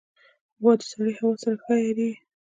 غوا د سړې هوا سره ښه عیارېږي.